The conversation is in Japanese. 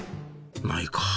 ないか。